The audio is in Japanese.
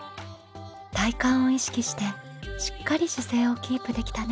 体幹を意識してしっかり姿勢をキープできたね。